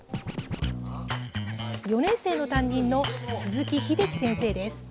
４年生の担任の鈴木秀樹先生です。